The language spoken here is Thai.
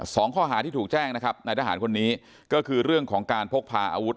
สองข้อหาที่ถูกแจ้งนะครับนายทหารคนนี้ก็คือเรื่องของการพกพาอาวุธ